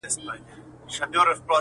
د کور هر غړی مات او بې وسه ښکاري